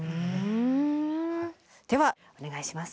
ではお願いします。